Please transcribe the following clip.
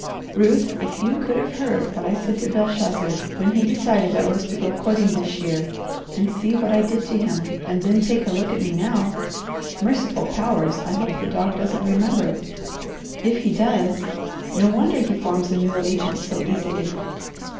Ruth, if you could have heard what I said to Belshazzar when he decided I was to go courting this year, and seen what I did to him, and then take a look at me now merciful powers, I hope the dog doesn't remember! If he does, no wonder he forms a new allegiance so easily.